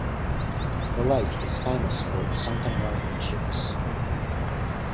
The lake is famous for its sunken Roman ships.